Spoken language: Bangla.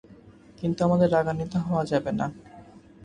কিন্তু আমাদের রাগান্বিত হওয়া যাবে না।